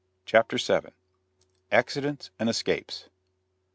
CHAPTER VII. ACCIDENTS AND ESCAPES.